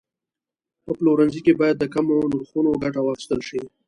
په پلورنځي کې باید د کمو نرخونو ګټه واخیستل شي.